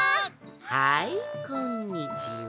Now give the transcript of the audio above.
はいこんにちは。